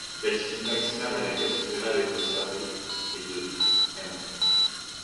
L'altitude maximale à laquelle ce grèbe a été observé est de m.